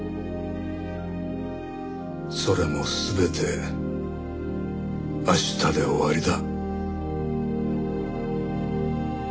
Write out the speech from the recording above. それも全て明日で終わりだ。